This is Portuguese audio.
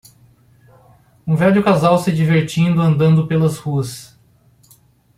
Um velho casal se divertindo andando pelas ruas.